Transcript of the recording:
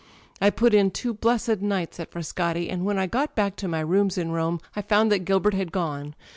I put in two blessed nights at Frascati, and when I got back to my rooms in Rome I found that Gilbert had gone